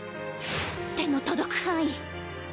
手の届く範囲！